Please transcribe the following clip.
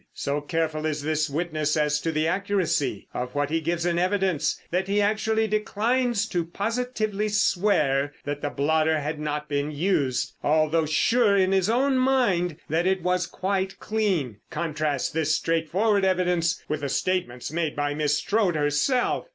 So careful is this witness as to the accuracy of what he gives in evidence, that he actually declines to positively swear that the blotter had not been used, although sure in his own mind that it was quite clean. Contrast this straightforward evidence with the statements made by Miss Strode herself!